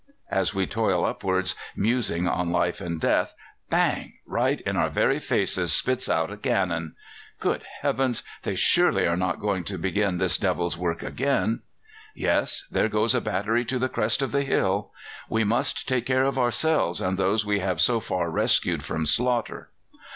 As we toil upwards, musing on life and death, bang! right in our very faces spits out a cannon. Good heavens! they surely are not going to begin this devil's work again! Yes; there goes a battery to the crest of the hill. We must take care of ourselves and those we have so far rescued from slaughter.